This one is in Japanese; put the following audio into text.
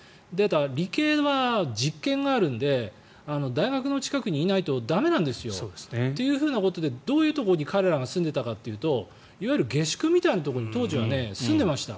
理系は実験があるので大学の近くにいないと駄目なんですよ。ということで、どういうところに彼らが住んでいたかというといわゆる下宿みたいなところに当時は住んでいました。